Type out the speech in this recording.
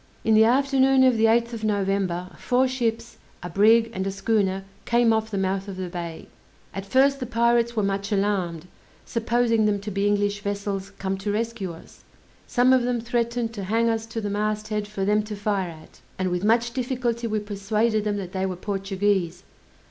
In the afternoon of the 8th of November, four ships, a brig and a schooner came off the mouth of the bay. At first the pirates were much alarmed, supposing them to be English vessels come to rescue us. Some of them threatened to hang us to the mast head for them to fire at; and with much difficulty we persuaded them that they were Portuguese.